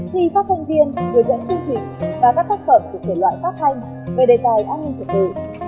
bốn khi phát thanh viên đưa dẫn chương trình và các tác phẩm được kể loại phát thanh về đề tài an ninh trật tự